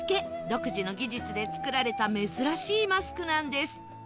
独自の技術で作られた珍しいマスクなんです